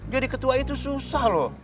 jadi ketua itu susah loh